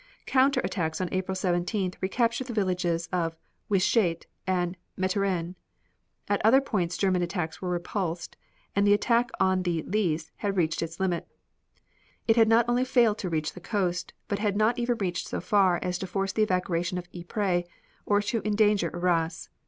Counter attacks on April 17th recaptured the villages of Wytschaete and Meteren. At other points German attacks were repulsed, and the attack on the Lys had reached its limits. It had not only failed to reach the coast but it had not even reached so far as to force the evacuation of Ypres or to endanger Arras.